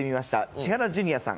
千原ジュニアさん。